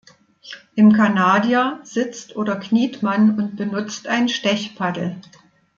Im Kanadier sitzt oder kniet man und benutzt ein Stechpaddel.